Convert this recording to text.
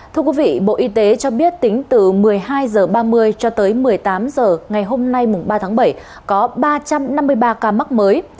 thưa quý vị bộ y tế cho biết tính từ một mươi hai h ba mươi cho tới một mươi tám h ngày hôm nay mùng ba tháng bảy có ba trăm năm mươi ba ca mắc mới